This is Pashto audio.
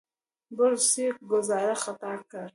بوریس ګوزاره خطا کړه.